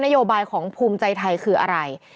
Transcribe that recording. โยบายของภูมิใจไทยคืออะไร